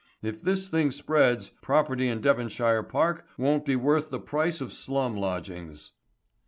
If this thing spreads, property in Devonshire Park won't be worth the price of slum lodgings."